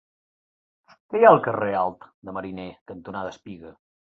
Què hi ha al carrer Alt de Mariner cantonada Espiga?